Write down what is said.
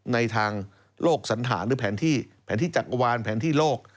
ในทางโลกสันฐานหรือแผนที่แผนที่จักรวาลแผนที่โลก